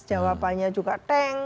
jawabannya juga teng